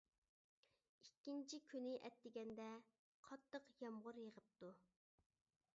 ئىككىنچى كۈنى ئەتىگەندە، قاتتىق يامغۇر يېغىپتۇ.